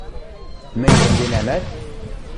Мӹнь монденӓмӓт!..